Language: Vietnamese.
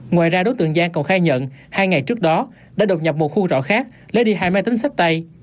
ngoài ra đối tượng giang còn khai nhận hai ngày trước đó đã đột nhập một khu trọ khác lấy đi hai máy tính sách tay